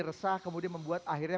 resah kemudian membuat akhirnya